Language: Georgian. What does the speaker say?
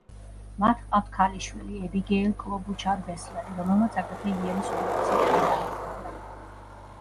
მათ ჰყავთ ქალიშვილი, ებიგეილ კლობუჩარ-ბესლერი, რომელმაც აგრეთვე იელის უნივერსიტეტი დაამთავრა.